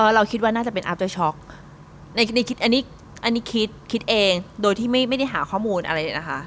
เอ่อเราคิดว่าน่าจะเป็นในคิดอันนี้อันนี้คิดคิดเองโดยที่ไม่ไม่ได้หาข้อมูลอะไรนะคะ